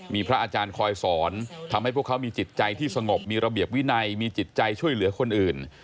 มีพระอาจารย์คอยสอนทำให้พวกเขามีจิตใจที่สงบมีระเบียบวินัยมีจิตใจช่วยเหลือคนอื่น